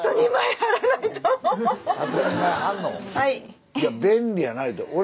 いや便利やなって。